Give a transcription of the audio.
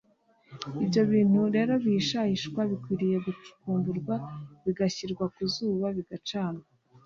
ibyo bintu rero bihishahishwa bikwiriye gucukumburwa bigashyirwa ku zuba bigacanwa”